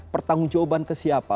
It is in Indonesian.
pertanggung jawaban ke siapa